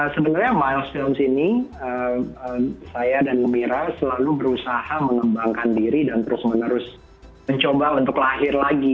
sebenarnya milestones ini saya dan mira selalu berusaha mengembangkan diri dan terus menerus mencoba untuk lahir lagi